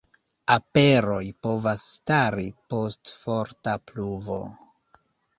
Aperoj povas stari post forta pluvo.